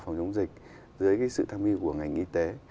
phòng chống dịch dưới sự tham mưu của ngành y tế